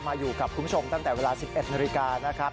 อยู่กับคุณผู้ชมตั้งแต่เวลา๑๑นาฬิกานะครับ